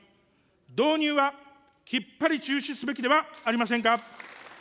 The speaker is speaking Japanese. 導入はきっぱり中止すべきではありませんか。